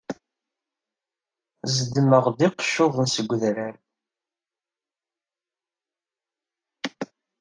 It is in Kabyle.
Zedmeɣ-d iqeccuḍen seg wedrar.